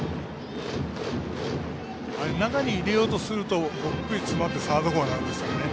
中に入れようとすると詰まってサードゴロになるんですね。